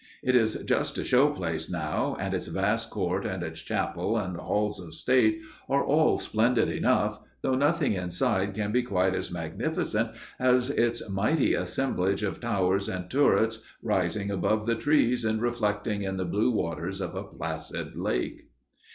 It is just a show place now, and its vast court and its chapel and halls of state are all splendid enough, though nothing inside can be quite as magnificent as its mighty assemblage of towers and turrets rising above the trees and reflecting in the blue waters of a placid lake.